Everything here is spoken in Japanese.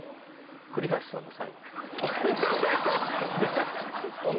栗橋さんのサイン栗橋！？